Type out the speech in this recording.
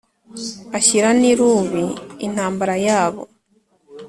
Ashyira n’irubi intambara yabo